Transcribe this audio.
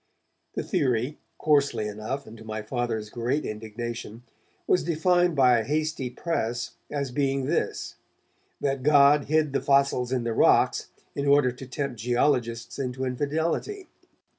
The theory, coarsely enough, and to my Father's great indignation, was defined by a hasty press as being this that God hid the fossils in the rocks in order to tempt geologists into infidelity.